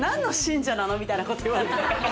みたいなこと言われた。